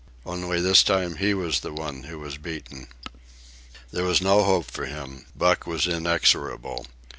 Only this time he was the one who was beaten. There was no hope for him. Buck was inexorable.